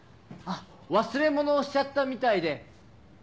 忘れ物をしちゃったみたいで。